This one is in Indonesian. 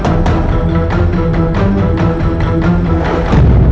udah bu binatang buas yang makan